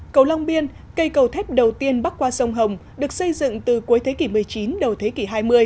cầu long biên cây cầu thép đầu tiên bắc qua sông hồng được xây dựng từ cuối thế kỷ một mươi chín đầu thế kỷ hai mươi